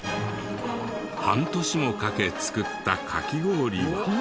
半年もかけ作ったカキ氷は。